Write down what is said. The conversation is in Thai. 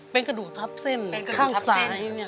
เป็นกระดูกทับเส้นข้างซ้าย